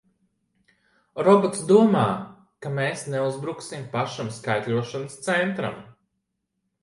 Robots domā, ka mēs neuzbruksim pašam skaitļošanas centram!